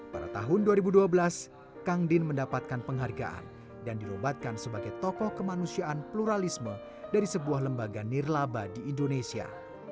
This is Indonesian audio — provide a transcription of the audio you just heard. pada tahun dua ribu dua belas kang din mendapatkan penghargaan dan dilombatkan sebagai tokoh kemanusiaan pluralisme dari sebuah lembaga nirlaba di indonesia